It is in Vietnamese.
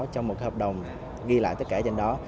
trong một hợp đồng ghi lại tất cả danh đó